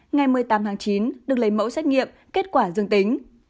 ngày một mươi tám tháng chín được lấy mẫu xét nghiệm kết quả dương tính